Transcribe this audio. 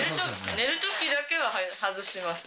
寝るときだけは外してます。